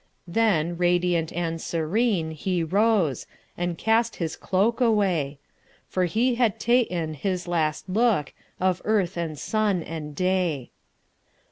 Then radiant and serene he rose, And cast his cloak away:For he had ta'en his latest lookOf earth and sun and day.